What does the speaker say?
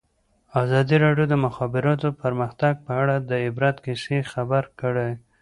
ازادي راډیو د د مخابراتو پرمختګ په اړه د عبرت کیسې خبر کړي.